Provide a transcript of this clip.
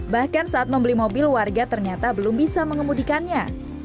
bahkan saat membeli mobil warga ternyata belum bisa mengemudikannya